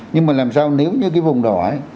nhưng mà làm sao nếu như cái vùng đỏ ấy